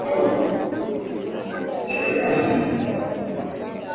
Katika mikakati hiyo ni Afrika kusini ilikuwa ikitoa habari za ujasusi